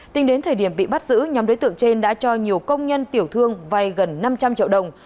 tính đến thời điểm bị bắt giữ nhóm đối tượng trên đã cho nhiều công nhân tiểu thương vay gần năm trăm linh triệu đồng